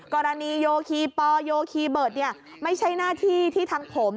กรณีโยคีปอโยคีเบิร์ตไม่ใช่หน้าที่ที่ทางผม